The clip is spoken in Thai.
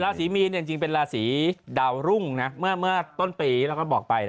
ราศิมีนเป็นราศิดาวรุ่งเมื่อต้นปีเราก็บอกไป